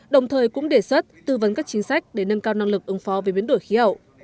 đồng thời cũng đề xuất tư vấn các chính sách để nâng cao năng lực ứng phó về biến đổi khí hậu